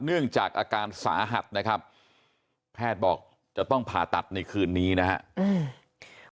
เนื่องจากอาการสาหัสนะครับแพทย์บอกจะต้องผ่าตัดในคืนนี้นะครับ